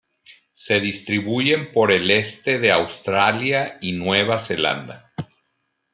Se distribuyen por el este de Australia y Nueva Zelanda.